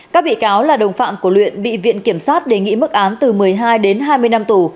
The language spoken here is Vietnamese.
các bị cáo là đồng phạm của luyện bị viện kiểm sát đề nghị mức án từ một mươi hai đến hai mươi năm tù